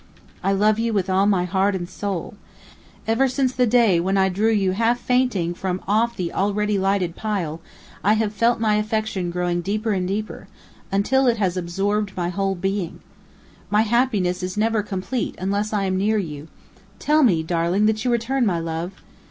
"I love you with all my heart and soul. Ever since the day when It drew you half fainting from off the already lighted pile, I have felt my affection growing deeper and deeper, until it has absorbed my whole being. My happiness is never complete unless I am near you. Tell me, darling, that you return my love!"